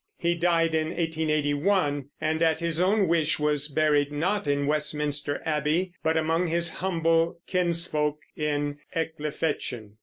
He died in 1881, and at his own wish was buried, not in Westminster Abbey, but among his humble kinsfolk in Ecclefechan.